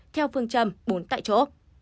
theo phương châm bốn tại chỗ